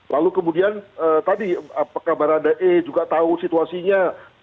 lalu kemudian tadi apakah baradae juga tahu situasinya